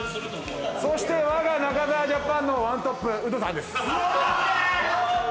そしてわが中澤ジャパンのワントップウドさんです。